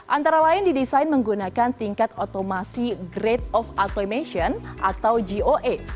antara lain didesain menggunakan tingkat otomasi grade of automation atau goe